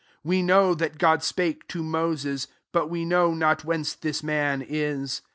29 We know that God spake to Moses : but we know not whence this man is.